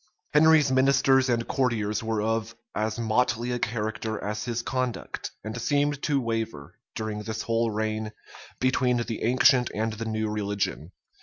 Henry's ministers and courtiers were of as motley a character as his conduct; and seemed to waver, during this whole reign, between the ancient and the new religion.